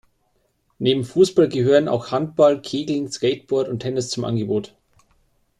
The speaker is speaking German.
Neben Fußball gehören auch Handball, Kegeln, Skateboard und Tennis zum Angebot.